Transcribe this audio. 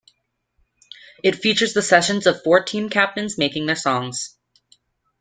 It features the sessions of the four team captains making their songs.